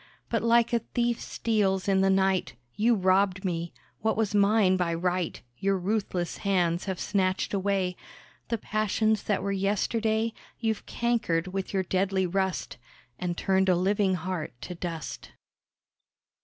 But like a thief steals in the night, You robbed me; what was mine by right Your ruthless hands have snatched away; The passions that were yesterday You've cankered with your deadly rust, And turned a living heart to dust.